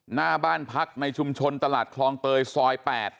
หน้าบ้านพักในชุมชนตลาดคลองเตยซอย๘